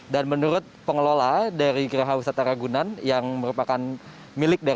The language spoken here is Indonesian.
dan menurut pengelola